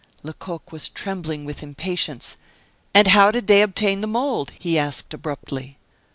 Lecoq was trembling with impatience. "And how did they obtain the mold?" he asked abruptly.